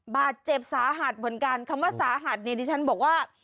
บาดเจ็บสาหัสเหมือนกันคำว่าสาหัสเนี่ยดิฉันบอกว่า